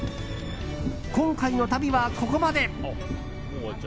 今回の旅はここまで。